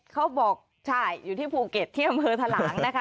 เขาบอกใช่อยู่ที่ภูเก็ตที่อำเภอทะหลางนะคะ